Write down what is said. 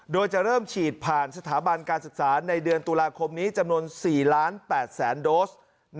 โดยจะเริ่มฉีดผ่านสถาบันการศึกษาในเดือนตุลาคมนี้จำนวน๔๘๐๐๐โดส